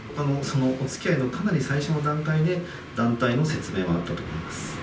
おつきあいのかなり最初の段階で、団体の説明はあったと思います。